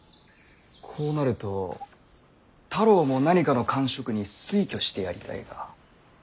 こうなると太郎も何かの官職に推挙してやりたいが。